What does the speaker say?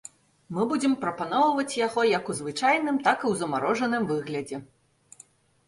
Мы будзем прапаноўваць яго як у звычайным, так і ў замарожаным выглядзе.